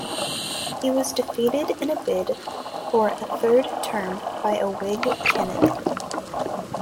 He was defeated in a bid for a third term by a Whig candidate.